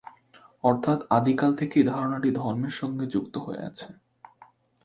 অর্থাৎ আদি কাল থেকেই ধারনাটি ধর্মের সঙ্গে যুক্ত হয়ে আছে।